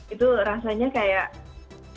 itu rasanya kayak